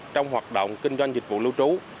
trong hoạt động kinh doanh dịch vụ lưu trú